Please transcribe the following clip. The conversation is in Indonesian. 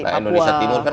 nah indonesia timur kan